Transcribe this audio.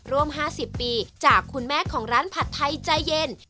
๕๐ปีจากคุณแม่ของร้านผัดไทยใจเย็น